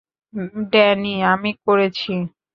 Danny, আমি করেছি।